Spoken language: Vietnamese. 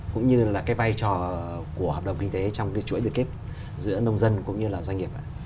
cũng như là cái vai trò của hợp đồng kinh tế trong cái chuỗi liên kết giữa nông dân cũng như là doanh nghiệp ạ